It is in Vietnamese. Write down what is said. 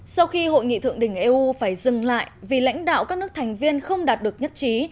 sau khi hội nghị thượng đỉnh eu phải dừng lại vì lãnh đạo các nước thành viên không đạt được nhất trí